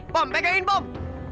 pom pegangin pom